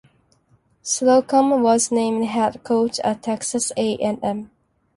Slocum was named head coach at Texas A and M.